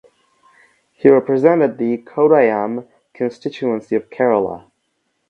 He represented the Kottayam constituency of Kerala.